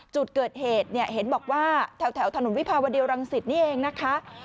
จุดเกิดเหตุเนี่ยเห็นบอกว่าแถวถนนวิภาวดีรังสิตนี่เองนะคะ